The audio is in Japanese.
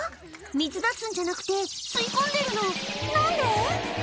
水出すんじゃなくて、吸い込んでるの、なんで？